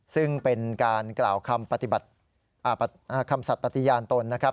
ซึ่งเป็นการกล่าวคำสัตว์ปฏิญาณตนนะครับ